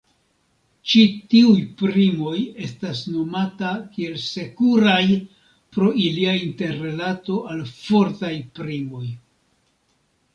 Ĉi tiuj primoj estas nomata kiel "sekuraj" pro ilia interrilato al fortaj primoj.